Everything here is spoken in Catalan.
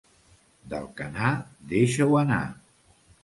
D'Alcanar, deixa-ho anar.